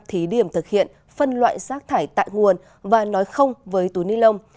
thí điểm thực hiện phân loại rác thải tại nguồn và nói không với túi ni lông